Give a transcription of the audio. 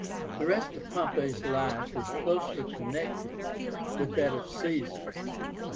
The rest of Pompey's life is closely connected with that of Caesar.